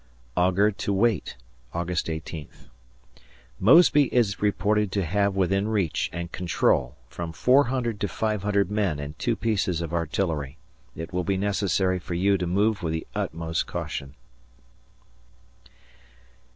[Augur to Waite] August 18th. Mosby is reported to have within reach and control from 400 to 500 men and two pieces of artillery. It will be necessary for you to move with the utmost caution.